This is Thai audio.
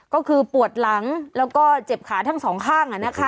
ก็คือปวดหลังแล้วก็เจ็บขาทั้งสองข้าง